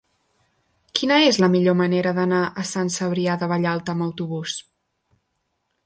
Quina és la millor manera d'anar a Sant Cebrià de Vallalta amb autobús?